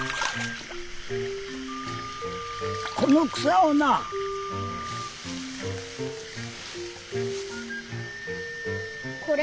この草をな。これ？